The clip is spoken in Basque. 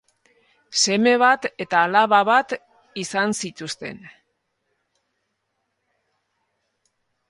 Seme bat eta alaba bat izan zituzten.